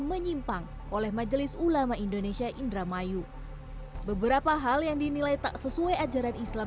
menyimpang oleh majelis ulama indonesia indramayu beberapa hal yang dinilai tak sesuai ajaran islam